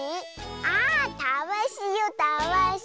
あたわしよたわし。